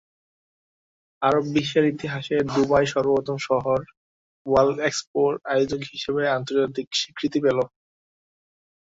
আরব বিশ্বের ইতিহাসে দুবাই সর্বপ্রথম শহর, ওয়ার্ল্ড এক্সপোর আয়োজক হিসেবে আন্তর্জাতিক স্বীকৃতি পেল।